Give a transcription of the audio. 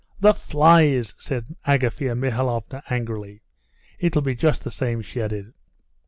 "The flies!" said Agafea Mihalovna angrily. "It'll be just the same," she added.